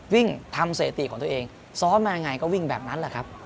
วิ่งทำเศรษฐีของตัวเองซ้อมมายังไงก็วิ่งแบบนั้นแหละครับ